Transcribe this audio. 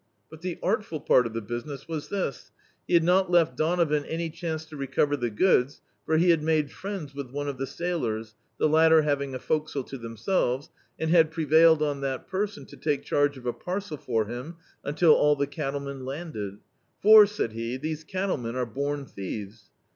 But the artful part of the business was this: he had not left Donovan any chance to recover the goods, for he had made friends with one of the sailors — the latter having a forecastle to themselves — and had prevailed on that person to take charge of a parcel for him until all the cattlemen landed; "for," said he, "these cattlemen are bom thieves."